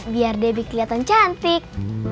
biar debbie kelihatan cantik